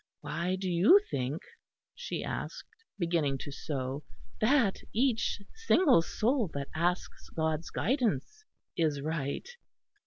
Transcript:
"Why do you think," she asked, beginning to sew, "that each single soul that asks God's guidance is right?"